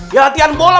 ya latihan bola